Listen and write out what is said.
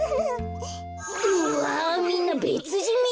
うわみんなべつじんみたい。